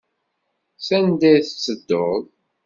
S anda i tettedduḍ?